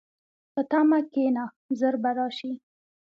په تمه کښېنه، ژر به راشي.